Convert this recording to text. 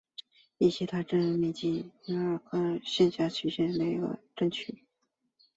锡达镇区为美国堪萨斯州考利县辖下的镇区。